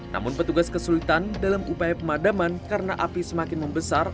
namun petugas kesulitan dalam upaya pemadaman karena api semakin membesar